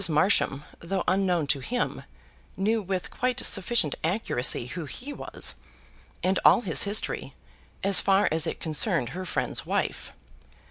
Marsham, though unknown to him, knew with quite sufficient accuracy who he was, and all his history, as far as it concerned her friend's wife.